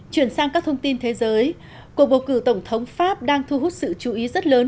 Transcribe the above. chuyển sang các thông tin thế giới cuộc bầu cử tổng thống pháp đang thu hút sự chú ý rất lớn